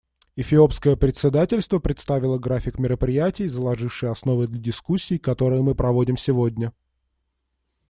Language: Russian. Эфиопское председательство представило график мероприятий, заложивший основы для дискуссий, которые мы проводим сегодня.